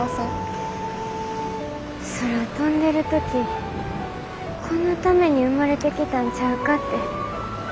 空飛んでる時このために生まれてきたんちゃうかって思ったんです。